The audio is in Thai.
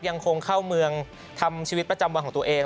ยังคงเข้าเมืองทำชีวิตประจำวันของตัวเอง